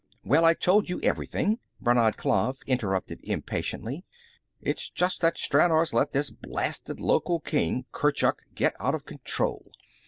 "Well, I told you everything," Brannad Klav interrupted impatiently. "It's just that Stranor's let this blasted local king, Kurchuk, get out of control.